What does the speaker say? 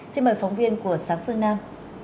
xin mời phóng viên của sáng phương nam